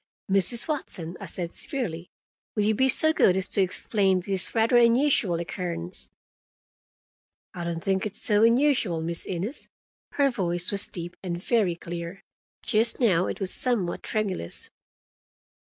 "Mrs. Watson," I said severely, "will you be so good as to explain this rather unusual occurrence?" "I don't think it so unusual, Miss Innes." Her voice was deep and very clear: just now it was somewhat tremulous.